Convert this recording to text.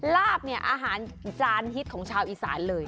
ลาบเนี่ยอาหารจานฮิตของชาวอีสานเลย